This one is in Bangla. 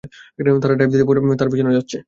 তারা ড্রাইভ নিতে তার পিছনে যাচ্ছে।